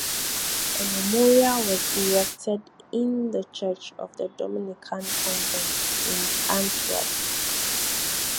A memorial was erected in the church of the Dominican convent in Antwerp.